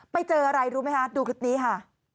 ไปเจออะไรรู้ไหมคะดูคลิปนี้ค่ะ